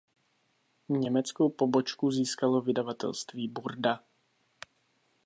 Německou pobočku získalo vydavatelství Burda.